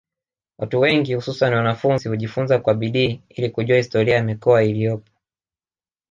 Watu wengi hususani wanafunzi hujifunza kwa bidii ili kujua historia ya mikoa iliyopo